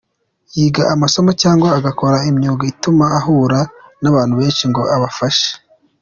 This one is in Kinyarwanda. Yiga amasomo cyangwa agakora imyuga ituma ahura n’abantu benshi ngo abafashe .